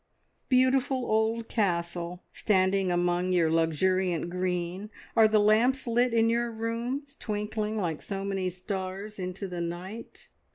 Beautiful old castle, standing among your luxuriant green, are the lamps lit in your rooms, and twinkling like so many stars into the night?